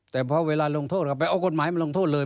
แต่พอเวลาลงโทษเราไปเอากฎหมายมาลงโทษเลย